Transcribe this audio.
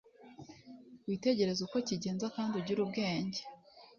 Witegereze uko kigenza kandi ugire ubwenge